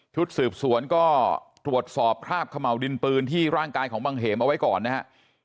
ชุดสืบสวนก็ตรวจสอบคราบเขม่าวดินปืนที่ร่างกายของบังเหมเอาไว้ก่อนนะครับ